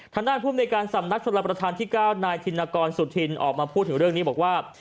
ทางด้านภูมิในการสำนักชนรับประทานที่๙นายธินกรสุธินออกมาพูดถึงเรื่องนี้บอกว่า